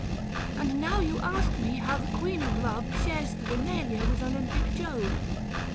And now you ask me how the Queen of Love Shares the Vinalia with Olympic Jove